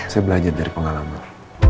saya belajar dari pengalaman